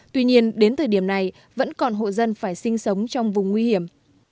tuy nhiên đến thời điểm này vẫn còn hộ dân phải sinh sống trong vùng nguy hiểm